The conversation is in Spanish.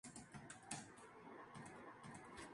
Presenta dos portadas situadas en las fachadas norte y sur.